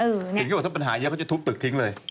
ถึงเขาบอกว่าถ้าเป็นปัญหาเยอะเขาจะทุบตึกทิ้งเลย